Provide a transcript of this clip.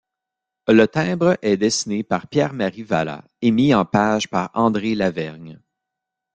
Le timbre est dessiné par Pierre-Marie Valat et mis en page par André Lavergne.